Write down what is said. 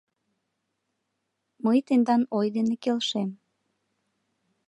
— Мый тендан ой дене келшем.